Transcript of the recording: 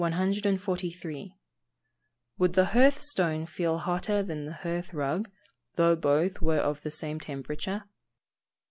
_Would the hearth stone feel hotter than the hearth rug though both were of the same temperature?